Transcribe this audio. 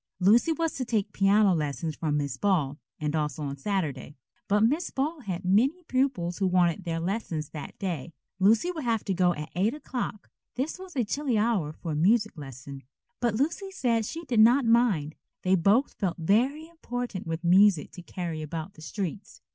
Lucy was to take piano lessons from Miss Ball, and also on Saturday. But Miss Ball had many pupils who wanted their lessons that day. Lucy would have to go at eight o'clock. This was a chilly hour for a music lesson, but Lucy said she did not mind. They both felt very important with music to carry about the streets.